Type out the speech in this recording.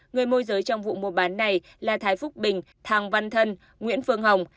người môi giới trong vụ mua bán này là thái phúc bình thàng văn thân nguyễn phương hồng